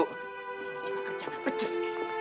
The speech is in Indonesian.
ini cuma kerja nggak pece